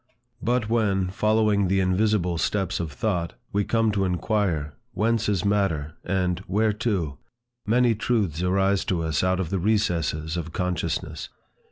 But when, following the invisible steps of thought, we come to inquire, Whence is matter? and Whereto? many truths arise to us out of the recesses of consciousness.